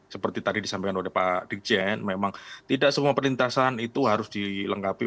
seperti tadi disampaikan oleh pak dikjen memang tidak semua perlintasan itu harus dilengkapi